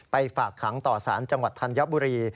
ฝากขังต่อสารจังหวัดธัญบุรี